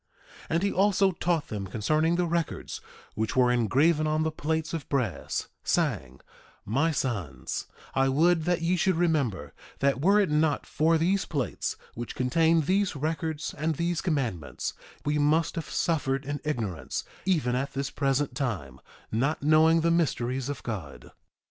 1:3 And he also taught them concerning the records which were engraven on the plates of brass, saying: My sons, I would that ye should remember that were it not for these plates, which contain these records and these commandments, we must have suffered in ignorance, even at this present time, not knowing the mysteries of God.